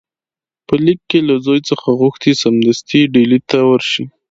په لیک کې له زوی څخه غوښتي سمدستي ډهلي ته ورشي.